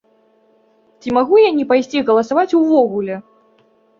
Ці магу я не пайсці галасаваць увогуле?